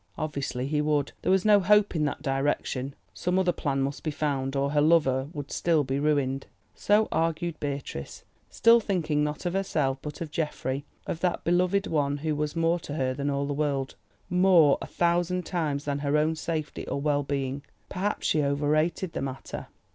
Obviously he would. There was no hope in that direction. Some other plan must be found or her lover would still be ruined. So argued Beatrice, still thinking not of herself, but of Geoffrey, of that beloved one who was more to her than all the world, more, a thousand times, than her own safety or well being. Perhaps she overrated the matter.